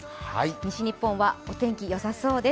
西日本はお天気よさそうです。